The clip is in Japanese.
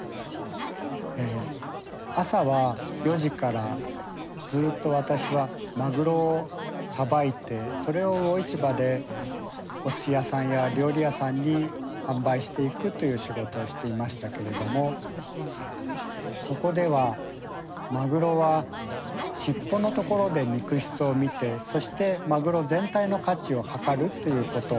朝は４時からずっと私はマグロをさばいてそれを魚市場でおすし屋さんや料理屋さんに販売していくという仕事をしていましたけれどもそこではマグロは尻尾のところで肉質を見てそしてマグロ全体の価値をはかるということ